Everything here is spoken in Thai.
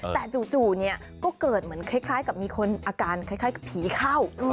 แต่จู่ก็เกิดเหมือนคล้ายกับมีคนอาการคล้ายกับผีเข้า